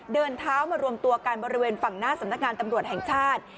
เดินเท้ามารวมตัวกันบริเวณฝั่งหน้าสำนักงานตำรวจแห่งชาติ